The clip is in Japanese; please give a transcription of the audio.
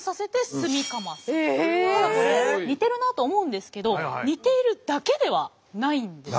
しかもこれ似てるなと思うんですけど似ているだけではないんです。